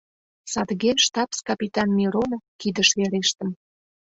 Садыге штабс-капитан Миронов кидыш верештым.